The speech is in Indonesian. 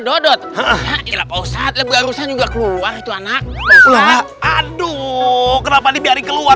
dodot ilah pausat lebih harusnya juga keluar itu anak luar aduh kenapa dibiarkan keluar